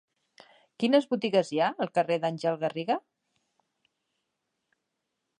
Quines botigues hi ha al carrer d'Àngels Garriga?